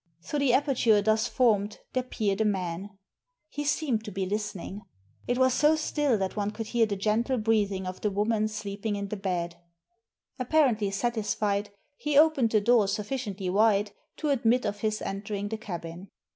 Through the aperture thus formed there peered a man. He seemed to be listening. It was so still that one could hear the gentle breathing of the woman sleep ing in the bed. Apparently satisfied, he opened the door sufficiently wide to admit of his entering the cabin.